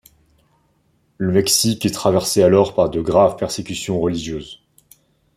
Le Mexique est traversé alors par de graves persécutions religieuses.